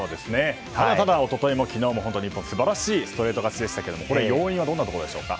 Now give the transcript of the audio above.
ただ、一昨日も昨日も日本は本当に素晴らしいストレート勝ちでしたが要因はどういうところでしょうか。